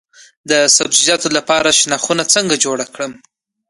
د سبزیجاتو لپاره شنه خونه څنګه جوړه کړم؟